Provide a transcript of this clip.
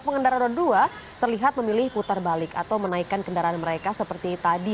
pengendara dua terlihat memilih putar balik atau menaikkan kendaraan mereka seperti tadi